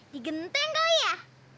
di genteng kali ya